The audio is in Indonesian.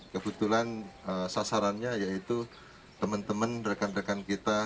kebetulan sasarannya yaitu teman teman rekan rekan kita